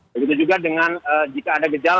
begitu juga dengan jika ada gejala